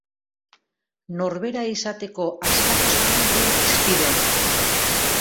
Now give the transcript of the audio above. Norbera izateko askatasuna du hizpide.